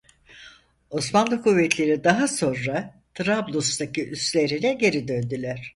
Osmanlı kuvvetleri daha sonra Trablus'taki üslerine geri döndüler.